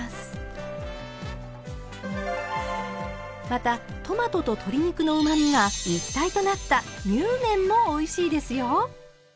またトマトと鶏肉のうまみが一体となったにゅうめんもおいしいですよ。